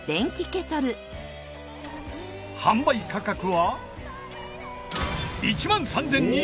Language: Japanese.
販売価格は１万３２００円！